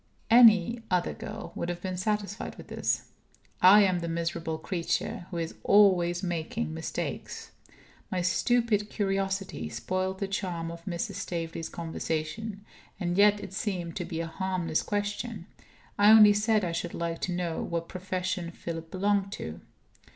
Any other girl would have been satisfied with this. I am the miserable creature who is always making mistakes. My stupid curiosity spoiled the charm of Mrs. Staveley's conversation. And yet it seemed to be a harmless question; I only said I should like to know what profession Philip belonged to.